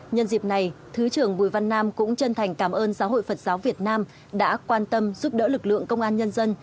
nhân dịp này thứ trưởng bùi văn nam cũng chân thành cảm ơn giáo hội phật giáo việt nam đã quan tâm giúp đỡ lực lượng công an nhân dân